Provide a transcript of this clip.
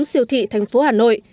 các siêu thị thành phố hà nội